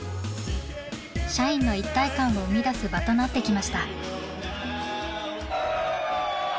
社員の一体感を生み出す場となってきました。